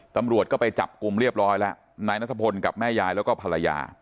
ตำรวจก็ไปจับกลุ่มเรียบร้อยแล้วนายนัทพลกับแม่ยายแล้วก็ภรรยา